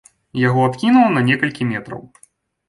Яго адкінула на некалькі метраў.